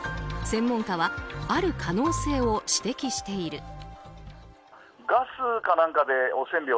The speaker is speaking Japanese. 専門家はある可能性を指摘している。